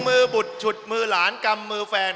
มือบุดฉุดมือหลานกำมือแฟน